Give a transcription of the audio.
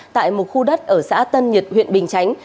tại một khu đất ở xã tân nhật huyện bình chánh